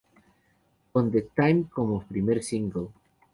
Con The time como primer single.